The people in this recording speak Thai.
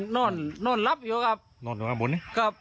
นอนนอนลับอยู่ครับนอนละวะบนนี้๙๑๐๐๑๐๐๑